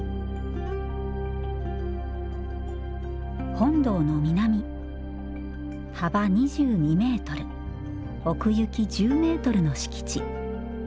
本堂の南幅２２メートル奥行き１０メートルの敷地。